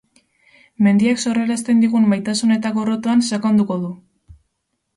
Mendiak sorrarazten digun maitasun eta gorrotoan sakonduko du.